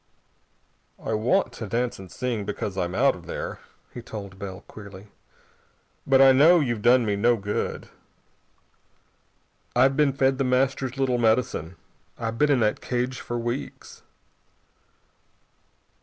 "I want to dance and sing because I'm out of there," he told Bell queerly, "but I know you've done me no good. I've been fed The Master's little medicine. I've been in that cage for weeks."